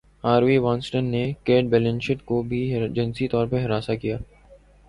Harvey Weinstein نے Cate Blanchett کو بھی جنسی طور پر ہراساں کیا